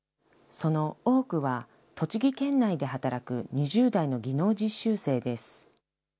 その多くは、栃木県内で働く２０代の技能実習生です。